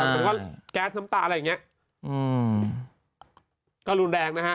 เป็นว่าแก๊สน้ำตาอะไรอย่างเงี้ยอืมก็รุนแรงนะฮะ